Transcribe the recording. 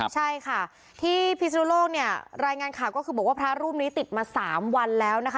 ใช่ค่ะที่พิศนุโลกเนี่ยรายงานข่าวก็คือบอกว่าพระรูปนี้ติดมา๓วันแล้วนะคะ